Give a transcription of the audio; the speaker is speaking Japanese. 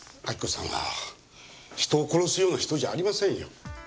亜希子さんは人を殺すような人じゃありませんよ。